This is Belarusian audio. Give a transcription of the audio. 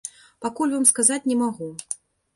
Пакуль вам сказаць не магу.